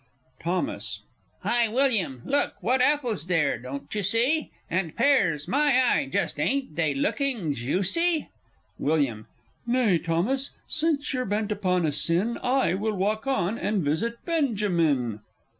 _ Thos. Hi, William, look ... what apples! there don't you see? And pears my eye! just ain't they looking juicy! Wm. Nay, Thomas, since you're bent upon a sin, I will walk on, and visit Benjamin!